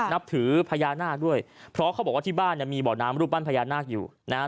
นับถือพญานาคด้วยเพราะเขาบอกว่าที่บ้านเนี่ยมีบ่อน้ำรูปปั้นพญานาคอยู่นะฮะ